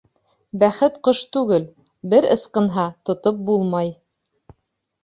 Бәхет ҡош түгел, бер ысҡынһа, тотоп булмай.